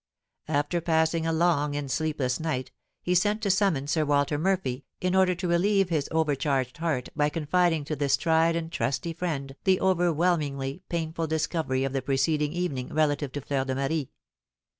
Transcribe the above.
After passing a long and sleepless night, he sent to summon Sir Walter Murphy, in order to relieve his overcharged heart by confiding to this tried and trusty friend the overwhelmingly painful discovery of the preceding evening relative to Fleur de Marie.